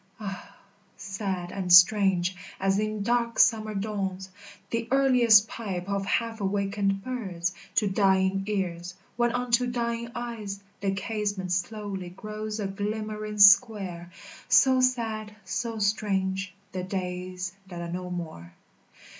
Ah, sad and strange as in dark summer dawns The earliest pipe of half awakened birds To dying ears, when unto dying eyes The casement slowly grows a glimmering square; So sad, so strange, the days that are no more.